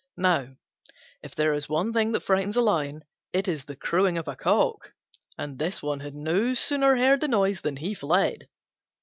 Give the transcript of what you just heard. Now, if there is one thing that frightens a Lion, it is the crowing of a Cock: and this one had no sooner heard the noise than he fled.